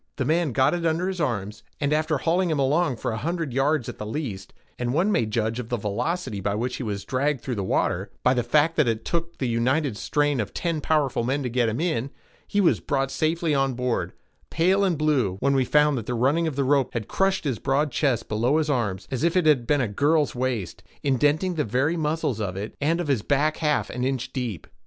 The man got it under his arms, and after hauling him along for a hundred yards at the least—and one may judge of the velocity with which he was dragged through the water, by the fact that it took the united strain of ten powerful men to get him in—he was brought safely on board, pale and blue, when we found that the running of the rope had crushed in his broad chest, below his arms, as if it had been a girl's waist, indenting the very muscles of it and of his back half an inch deep.